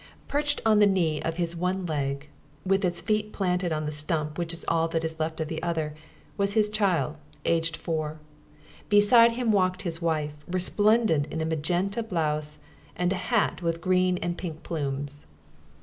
Perched on the knee of his one leg, with its feet planted on the stump which is all that is left of the other, was his child, aged four. Beside him walked his wife, resplendent in a magenta blouse and a hat with green and pink plumes.